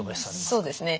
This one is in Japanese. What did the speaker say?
そうですね。